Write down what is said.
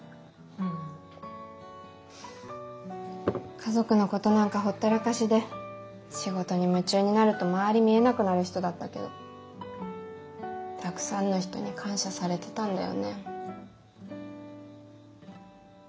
家族のことなんかほったらかしで仕事に夢中になると周り見えなくなる人だったけどたくさんの人に感謝されてたんだよね。